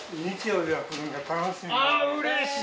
あぁうれしい！